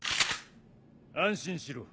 安心しろ。